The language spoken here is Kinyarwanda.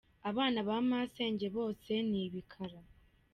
Abana ba masenge bose ni ibikara.